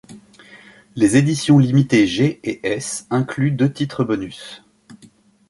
Les éditions limitées G et S incluent deux titres bonus.